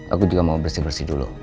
aku juga mau bersih bersih dulu